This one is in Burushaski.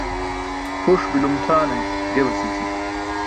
Huṣ bi̇lum tʰaana ge basi̇ći̇.